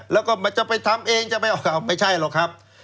แล้วก็จะไปทำเองไม่ใช่หรอกครับ